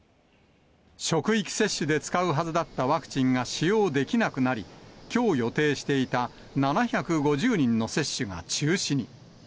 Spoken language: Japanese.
職域接種で使うはずだったワクチンが使用できなくなり、きょう予定していた７５０人の接種が中止に。